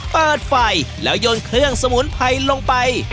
เปิดไฟแล้วยนต์เครื่องสมุนไพรลงไป